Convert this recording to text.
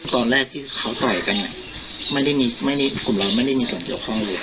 ตอนแรกที่เขาต่อยกันไม่ได้กลุ่มเราไม่ได้มีส่วนเกี่ยวข้องเลย